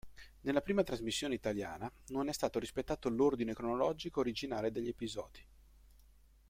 Nella prima trasmissione italiana, non è stato rispettato l'ordine cronologico originale degli episodi.